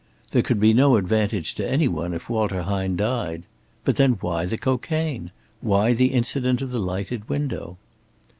There could be no advantage to any one if Walter Hine died. But then why the cocaine? Why the incident of the lighted window?